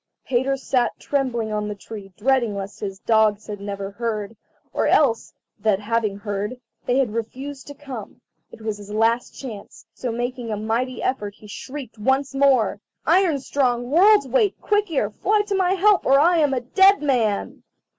Peter sat trembling on the tree dreading lest his dogs had never heard, or else that, having heard, they had refused to come. It was his last chance, so making a mighty effort he shrieked once more: "Iron strong, World's weight, Quick ear, fly to my help, or I am a dead man!"